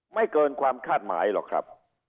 ไม่เกินความคาดหมายหรอกครับ